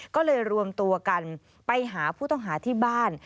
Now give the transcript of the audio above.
ก็เลยรวมตัวกันไปหาผู้ต้องหาที่บ้าน